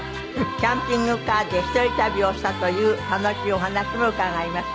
キャンピングカーで一人旅をしたという楽しいお話も伺います。